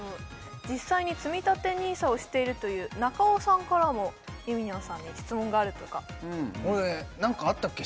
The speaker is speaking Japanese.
実際につみたてＮＩＳＡをしているという中尾さんからもゆみにゃんさんに質問があるとか俺何かあったっけ？